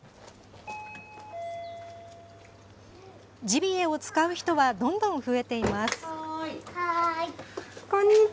ジビエを使う人はどんどん増えています。